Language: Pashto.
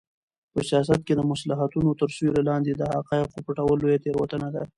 په سیاست کې د مصلحتونو تر سیوري لاندې د حقایقو پټول لویه تېروتنه ده.